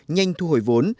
nhanh thu hồi vốn